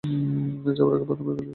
যাওয়ার আগে বাথরুমে গেলে কিছু মনে করবে?